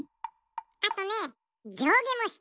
あとねじょうげもしたい！